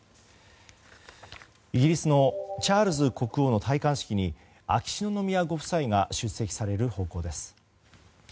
イギリスのチャールズ国王の戴冠式に秋篠宮ご夫妻が出席される方向です。